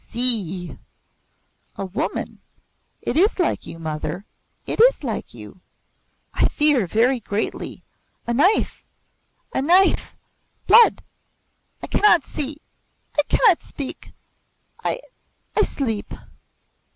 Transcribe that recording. See!" "A woman. It is like you, mother it is like you. I fear very greatly. A knife a knife! Blood! I cannot see I cannot speak! I I sleep."